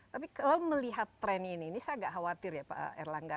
tapi kalau melihat tren ini ini saya agak khawatir ya pak erlangga